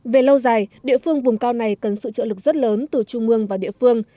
về lâu dài địa phương vùng cao này cần sự trợ lực rất lớn từ trung mương và địa phương